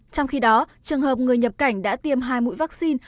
trong khi đó trường hợp người nhập cảnh đã tiêm hai mũi vaccine